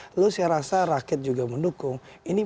lalu saya rasa rakyat juga mendukung